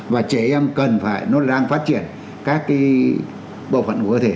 và trẻ em cần phải nó đang phát triển các cái bộ phận của cơ thể